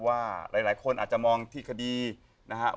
ว่าหลายคนอาจจะมองที่คดีนะครับ